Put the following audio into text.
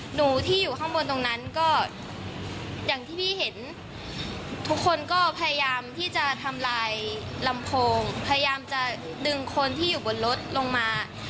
หนูที่อยู่ข้างบนตรงนั้นก็อย่างที่พี่เห็นทุกคนก็พยายามที่จะทำลายลำโพงพยายามจะดึงคนที่อยู่บนรถลงมา